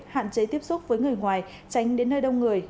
hạn chế tiếp xúc với người ngoài tránh đến nơi đông người